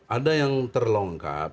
ada yang terlongkap